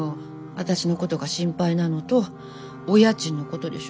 私のことが心配なのとお家賃のことでしょ。